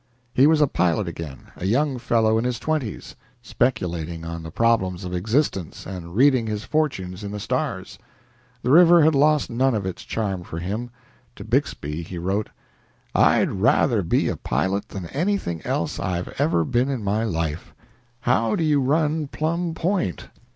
He was a pilot again a young fellow in his twenties, speculating on the problems of existence and reading his fortunes in the stars. The river had lost none of its charm for him. To Bixby he wrote: "I'd rather be a pilot than anything else I've ever been in my life. How do you run Plum Point?"